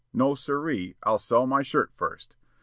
No sir ee; I'll sell my shirt first!'